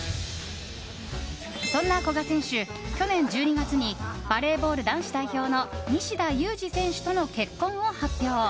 そんな古賀選手、去年１２月にバレーボール男子代表の西田有志選手との結婚を発表。